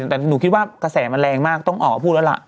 แต่หนูคิดว่ากระแสมันแรงมากต้องออกมาพูดแล้วล่ะ